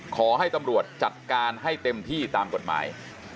ขอให้ตำรวจจัดการให้เต็มที่ตามกฎหมาย